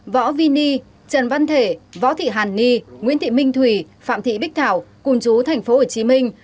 võ vini trần văn thể võ thị hàn ni nguyễn thị minh thủy phạm thị bích thảo cùng chú tp hcm